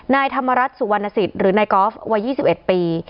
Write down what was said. นายธรรมรัฐสุวรรณสิทธิ์หรือนายกอล์ฟวัย๒๑ปี